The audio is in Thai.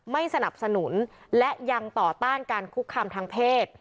ไม่สนับสนุนและยังต่อต้านการคุกคามทางเพศ